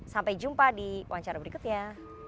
sampai jumpa di wawancara berikutnya